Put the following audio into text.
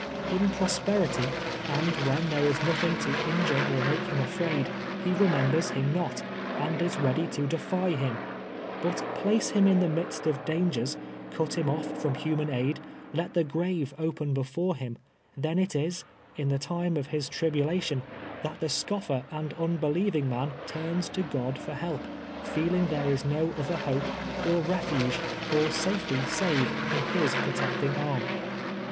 In prosperity, and when there is nothing to injure or make him afraid, he re members Him not, and is ready to defy Him ; but place him in the midst of dangers, cut him oif from human aid, let the grave open before him — then it is, in the time of his tribulatioi], that the scofier and "unbelieving man turns to God fur help, feeling there is no other hope, or refuge, or safety, save in his pro tecting arm.